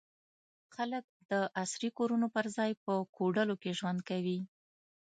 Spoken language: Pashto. خلک د عصري کورونو پر ځای په کوډلو کې ژوند کوي.